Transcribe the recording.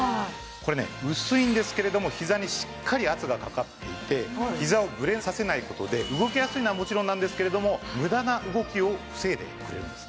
これね薄いんですけれどもひざにしっかり圧がかかっていてひざをブレさせない事で動きやすいのはもちろんなんですけれども無駄な動きを防いでくれるんです。